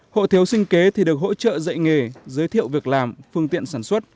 hộ thiếu sinh kế thì được hỗ trợ dạy nghề giới thiệu việc làm phương tiện sản xuất